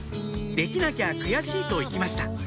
「できなきゃ悔しい」と行きました